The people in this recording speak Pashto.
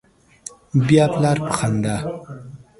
بیا پلار په خندا